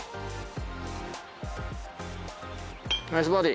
ナイスバーディ。